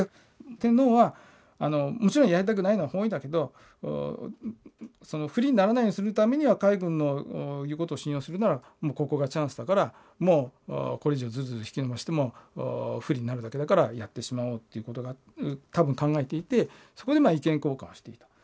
天皇はもちろんやりたくないのは本意だけど不利にならないようにするためには海軍の言うことを信用するならもうここがチャンスだからもうこれ以上ずるずる引き延ばしても不利になるだけだからやってしまおうっていうことを多分考えていてそこで意見交換をしていた。